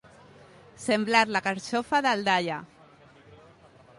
Semblar la carxofa d'Aldaia.